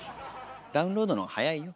ダウンロードのが早いよ。